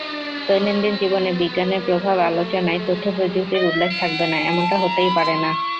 দৈনন্দিন জীবনে বিজ্ঞানের প্রভাব আলোচনায় তথ্যপ্রযুক্তির উল্লেখ থাকবে না, এমনটা হতেই পারে না।